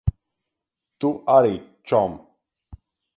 Tu arī, čom.